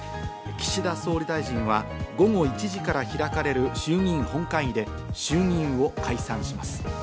岸田総理大臣は午後１時から開かれる衆議院本会議で、衆議院を解散します。